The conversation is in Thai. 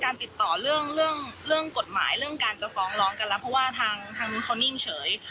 เรื่องกฎหมายเรื่องการจะฟ้องร้องกันแล้วเพราะว่าทางนี้เขานิ่งเฉย